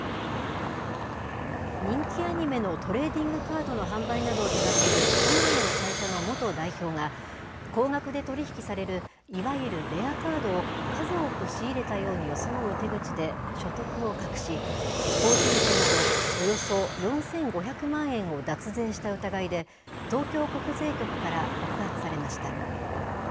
人気アニメのトレーディングカードの販売などを手がける都内の会社の元代表が、高額で取り引きされる、いわゆるレアカードを数多く仕入れたように装う手口で所得を隠し、法人税などおよそ４５００万円を脱税した疑いで、東京国税局から告発されました。